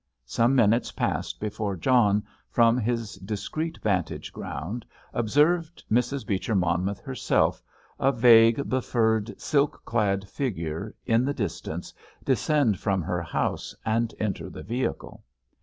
Some minutes passed before John, from his discreet vantage ground, observed Mrs. Beecher Monmouth herself, a vague, befurred, silk clad figure in the distance, descend from her house and enter the vehicle.